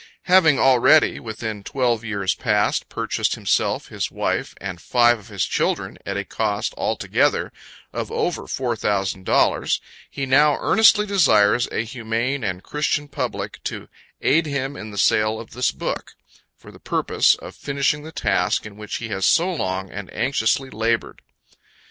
Having already, within twelve years past, purchased himself, his wife, and five of his children, at a cost, altogether, of over four thousand dollars, he now earnestly desires a humane and christian public to AID HIM IN THE SALE OF THIS BOOK, for the purpose of finishing the task in which he has so long and anxiously labored.